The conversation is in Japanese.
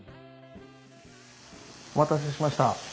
お待たせしました。